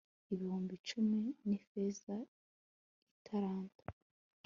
ibihumbi icumi z ifeza italanto